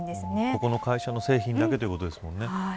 ここの会社の製品だけということですね。